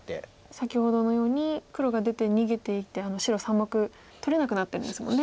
先ほどのように黒が出て逃げていってあの白３目取れなくなってるんですもんね。